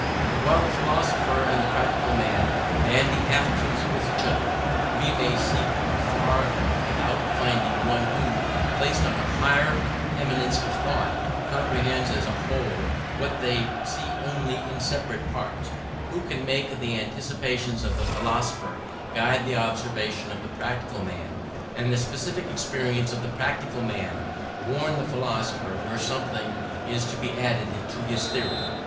But while the philosopher and the practical man bandy half truths with one another, we may seek far without finding one who, placed on a higher eminence of thought, comprehends as a whole what they see only in separate parts; who can make the anticipations of the philosopher guide the observation of the practical man, and the specific experience of the practical man warn the philosopher where something is to be added to his theory.